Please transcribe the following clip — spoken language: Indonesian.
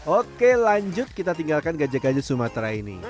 oke lanjut kita tinggalkan gajah gajah sumatera ini